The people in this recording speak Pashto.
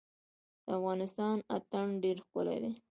د افغانستان اتن ډیر ښکلی دی